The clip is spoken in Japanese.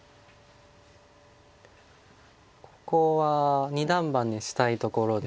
ここは二段バネしたいところです。